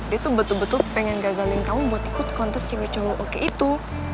dia tuh betul betul pengen gagalin kamu buat ikut kontes cinggo chongo oke itu